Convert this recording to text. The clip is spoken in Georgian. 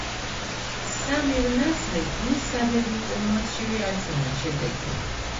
სამირ ნასრიმ მის სადებიუტო მატჩშივე აჩვენა შედეგი.